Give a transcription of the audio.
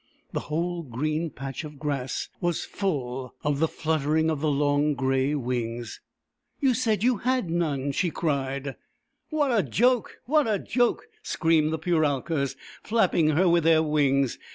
The whole green patch of grass was full of the fluttering of the long grey wings. " You said you had none !" she cried. " What a joke ! What a joke I " screamed the Puralkas, flapping her with their wings.